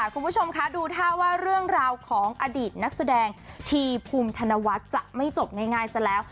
คุณผู้ชมคะดูท่าว่าเรื่องราวของอดีตนักแสดงทีภูมิธนวัฒน์จะไม่จบง่ายซะแล้ว